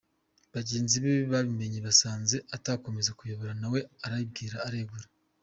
Bagenzi be babimenye basanze atakomeza kubayobora nawe aribwiriza aregura.